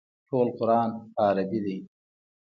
ټول قران په عربي دی.